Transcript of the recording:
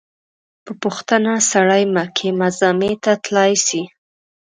په پوښتنه سړى مکې معظمې ته تلاى سي.